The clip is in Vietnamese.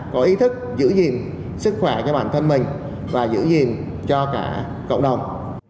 có ý thức giữ gìn sức khỏe cho bản thân mình và giữ gìn cho cả cộng đồng